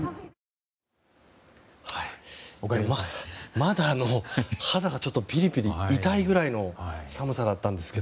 まだ、肌がちょっとピリピリ痛いぐらいの寒さでしたが。